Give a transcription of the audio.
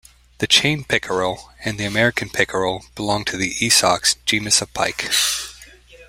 The chain pickerel and the American pickerel belong to the "Esox" genus of pike.